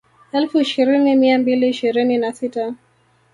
Elfu ishirini mia mbili ishirini na sita